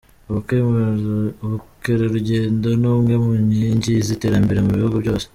Ubukerarugendo ni imwe mu nkingi z'iterambere mu bihugu byose.